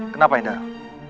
kenapa nih darul